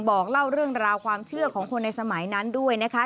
บอกเล่าเรื่องราวความเชื่อของคนในสมัยนั้นด้วยนะคะ